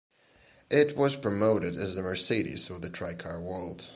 It was promoted as "the Mercedes of the tri-car world".